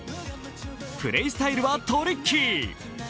プレースタイルはトリッキー。